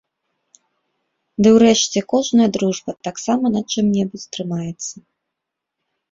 Ды ўрэшце кожная дружба таксама на чым-небудзь трымаецца.